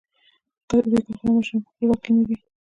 که د دوی کارخانې او ماشینونه په خپل واک کې نه دي.